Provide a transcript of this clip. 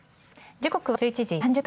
時刻は１１時３０分。